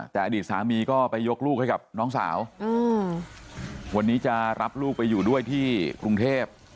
แต่อดีตสามีก็ไปยกลูกให้กับน้องสาววันนี้จะรับลูกไปอยู่ด้วยที่กรุงเทพ